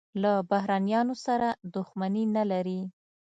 له بهرنیانو سره دښمني نه لري.